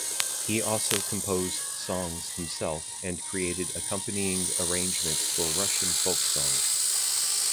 He also composed songs himself and created accompanying arrangements for Russian folk songs.